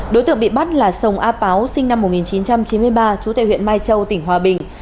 đối tượng bị bắt là sông a páo sinh năm một nghìn chín trăm chín mươi ba chú tại huyện mai châu tỉnh hòa bình